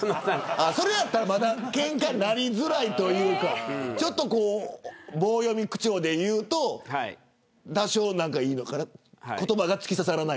それならけんかになりづらいというかちょっと棒読み口調で言うと多少いいのかな言葉が突き刺さらない。